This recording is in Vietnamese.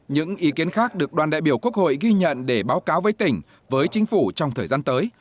những ý kiến khác được đoàn đại biểu quốc hội ghi nhận để báo cáo với tỉnh với chính phủ trong thời gian tới